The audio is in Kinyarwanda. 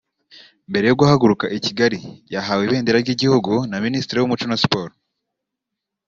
Mbere yo guhaguruka i Kigali yahawe ibendera ry'igihugu na Minisitiri w'Umuco na Siporo